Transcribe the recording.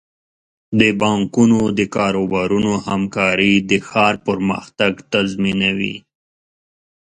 د بانکونو او کاروبارونو همکاري د ښار پرمختګ تضمینوي.